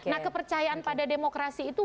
nah kepercayaan pada demokrasi itu